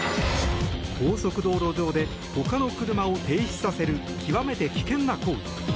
高速道路上で他の車を停止させる極めて危険な行為。